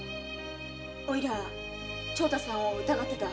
おいら長太さんを疑ってた。